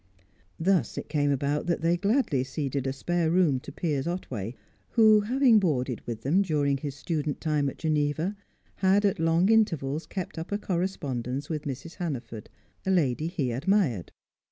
Thus it came about that they gladly ceded a spare room to Piers Otway, who, having boarded with them during his student time at Geneva, had at long intervals kept up a correspondence with Mrs. Hannaford, a lady he admired.